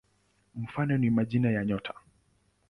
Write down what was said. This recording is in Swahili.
Mfano ni majina ya nyota.